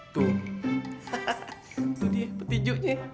tuh hahaha tuh dia peti juknya